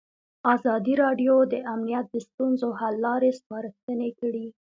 ازادي راډیو د امنیت د ستونزو حل لارې سپارښتنې کړي.